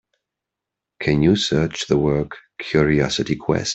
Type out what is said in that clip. Can you search the work, Curiosity Quest?